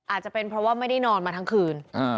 อาจจะเป็นเพราะว่าไม่ได้นอนมาทั้งคืน